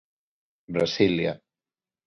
Brasilia.